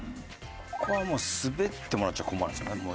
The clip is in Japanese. ここはもうスベってもらっちゃ困るんですよね。